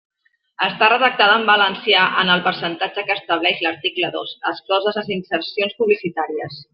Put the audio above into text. Estar redactada en valencià en el percentatge que establix l'article dos, excloses les insercions publicitàries.